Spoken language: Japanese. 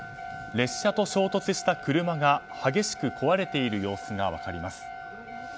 列車と衝突した車が激しく壊れている様子が分かります。